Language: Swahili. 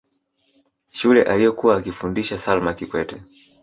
shule aliyokuwa akifundisha salma kikwete